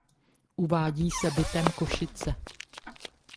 Uvádí se bytem Košice.